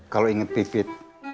kalau inget pipit